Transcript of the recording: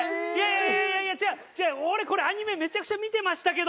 俺これアニメめちゃくちゃ見てましたけど。